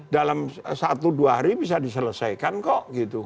dalam satu dua hari bisa diselesaikan kok gitu